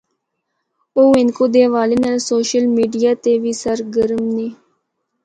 او ہندکو دے حوالے نال social media تے وی سرگرم نے۔